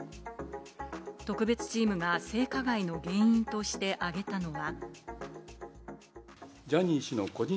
特別チームが性加害の原因として挙げたのは。